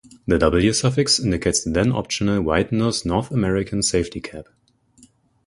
The "W" suffix indicates the then-optional wide-nose "North American" safety cab.